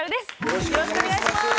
よろしくお願いします。